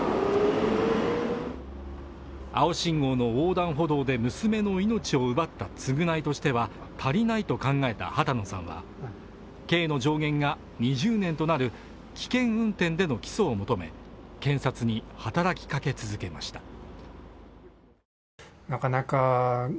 青信号の横断歩道で娘の命を奪った償いとしては足りないと考えた波多野さんは刑の上限が２０年となる危険運転での起訴を求め、検察に働きかけ続けました。